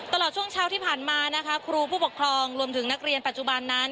ตลอดช่วงเช้าที่ผ่านมานะคะครูผู้ปกครองรวมถึงนักเรียนปัจจุบันนั้น